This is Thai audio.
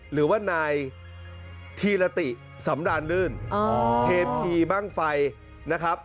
หรือว่านายธีรติสำดานลื่นเทพีบ้างไฟนะครับ